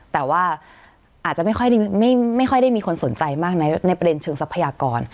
แต่ว่าอาจจะไม่ค่อยได้มีคนสนใจมากในประเด็นเชิงทรัพยากร